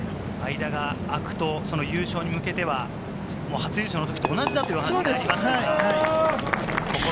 間が空くと優勝に向けては、初優勝のときと同じだという話がありましたから。